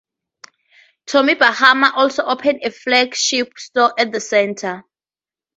Tommy Bahama also opened a flagship store at the center.